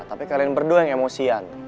tapi kalian berdua yang emosian